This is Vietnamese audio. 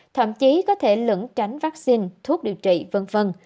thậm chí có thể lẫn tránh vaccine thuốc điều trị v v